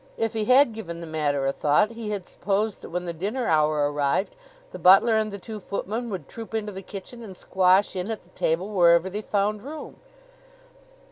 If he had given the matter a thought he had supposed that when the dinner hour arrived the butler and the two footmen would troop into the kitchen and squash in at the table wherever they found room.